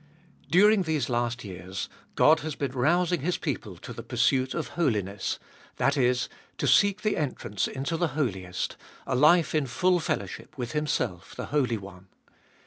During these last years God has been rousing His people to 372 Ebe ibolfest of nil the pursuit of holiness — that is, to seek the entrance into the Holiest, a life in full fellowship with Himself, the Holy One.